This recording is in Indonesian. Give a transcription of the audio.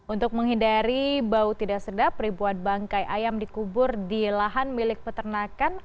untuk menghindari bau tidak sedap ribuan bangkai ayam dikubur di lahan milik peternakan